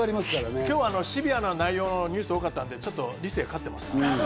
今日はシビアな内容のニュースが多かったんで、理性が勝ってます。